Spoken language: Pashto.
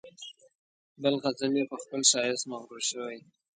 بل غزل یې په خپل ښایست مغرور شوی.